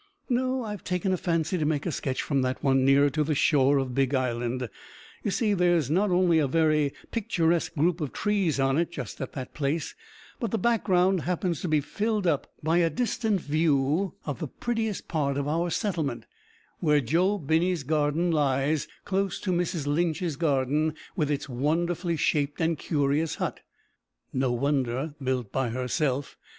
"No, I've taken a fancy to make a sketch from that one nearer to the shore of Big Island. You see, there is not only a very picturesque group of trees on it just at that place, but the background happens to be filled up by a distant view of the prettiest part of our settlement, where Joe Binney's garden lies, close to Mrs Lynch's garden, with its wonderfully shaped and curious hut, (no wonder, built by herself!)